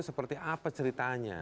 berarti apa ceritanya